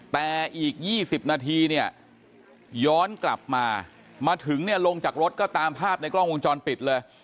แต่อีก๒๐นาทีเนี่ยย้อนกลับมามาถึงเนี่ยลงจากรถก็ตามภาพในกล้องวงจรปิดเลย